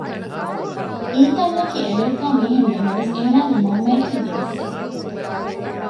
އީތަންއަކީ އެމެރިކާގެ މީހެއް ނަމަވެސް އޭނާގެ މަންމައަކީ ދިވެއްސެއް